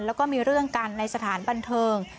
แล้วก็มีเรื่องกันในสถานบันเทิง